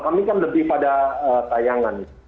kami kan lebih pada tayangan